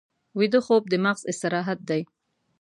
ویده خوب د مغز استراحت دی